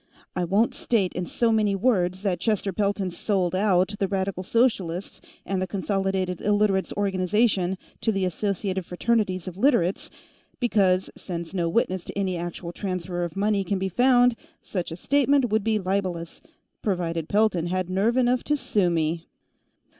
I won't state, in so many words, that Chester Pelton's sold out the Radical Socialists and the Consolidated Illiterates' Organization to the Associated Fraternities of Literates, because, since no witness to any actual transfer of money can be found, such a statement would be libelous provided Pelton had nerve enough to sue me."